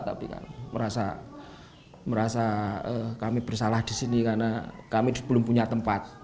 tapi merasa kami bersalah di sini karena kami belum punya tempat